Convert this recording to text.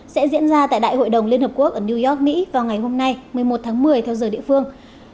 sẽ diễn ra tại đại hội đồng liên hợp quốc ở new york mỹ vào ngày hôm nay một mươi một tháng một mươi theo giờ địa phương